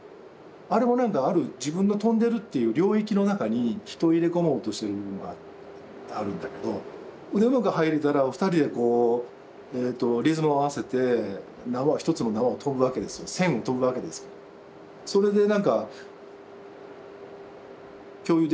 あれもなんかある自分の跳んでるっていう領域の中に人を入れ込もうとしてる部分があるんだけどでうまく入れたら２人でこうリズムを合わせて１つの縄を跳ぶわけですけど線を跳ぶわけですけどそれでなんか共有できるもんで楽しむというんですかね。